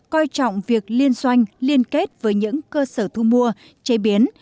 coi trọng việc liên xoanh liên kết với những cơ sở thu mua chế biến